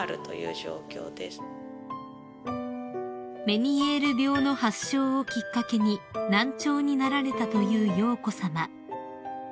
［メニエール病の発症をきっかけに難聴になられたという瑶子さま］